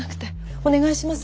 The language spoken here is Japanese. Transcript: お願いします。